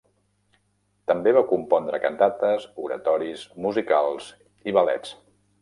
També va compondre cantates, oratoris, musicals i ballets.